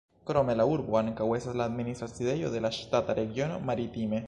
Krome la urbo ankaŭ estas la administra sidejo de la ŝtata regiono "Maritime".